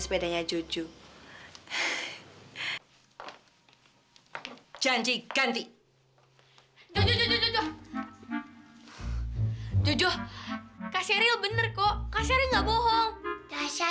sampai jumpa di video selanjutnya